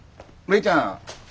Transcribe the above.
るいちゃん。